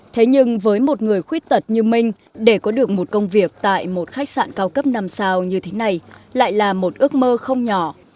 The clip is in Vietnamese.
thế nhưng với một người khuyết tật như minh để có được một công việc tại một khách sạn cao cấp năm sao như thế này lại là một ước mơ không nhỏ